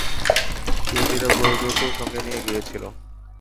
ইহুদীরা প্রযোজকও সঙ্গে নিয়ে গিয়েছিল।